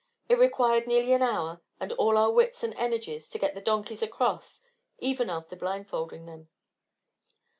It required nearly an hour and all our wits and energies to get the donkeys across, even after blindfolding them.